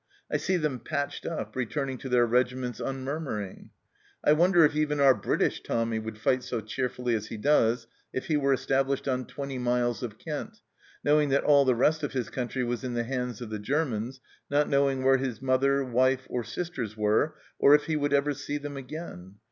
I see them patched up, returning to their regiments unmurmuring. 1 wonder if even our British Tommy would fight so cheerfully as he does if he were established on twenty miles of Kent, knowing that all the rest of his country was in the hands of the Germans, not knowing where his mother, wife, or sisters were, or if he would ever see them again.